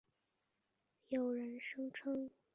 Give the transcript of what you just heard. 有人声称中国古代政府对西沙群岛的管理始于秦代。